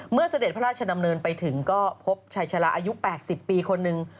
เสด็จพระราชดำเนินไปถึงก็พบชายชะลาอายุ๘๐ปีคนหนึ่ง